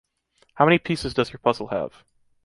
How many pieces does your puzzle have?